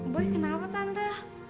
boy kenapa tante